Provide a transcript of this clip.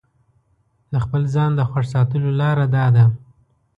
د خپل ځان د خوښ ساتلو لاره داده.